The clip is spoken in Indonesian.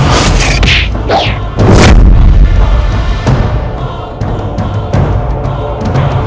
apakah yang kami